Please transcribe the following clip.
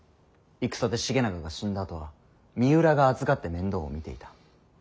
戦で重長が死んだあとは三浦が預かって面倒を見ていた。